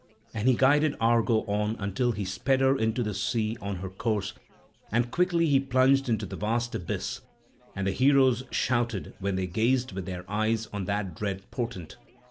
And he guided Argo on until he sped her into the sea on her course; and quickly he plunged into the vast abyss; and the heroes shouted when they gazed with their eyes on that dread portent.